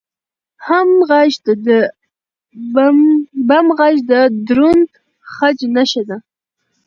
بم غږ د دروند خج نښه ده.